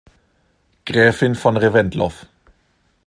Gräfin von Reventlow.